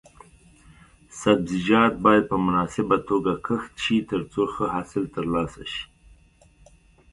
سبزیجات باید په مناسبه توګه کښت شي ترڅو ښه حاصل ترلاسه شي.